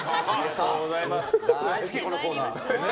大好きこのコーナー。